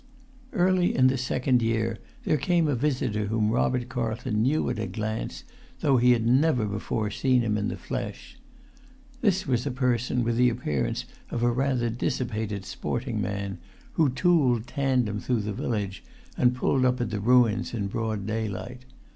Early in the second year there came a visitor whom Robert Carlton knew at a glance, though he had never before seen him in the flesh. This was a person with the appearance of a rather dissipated sporting man, who tooled tandem through the village, and pulled up at the ruins in broad daylight.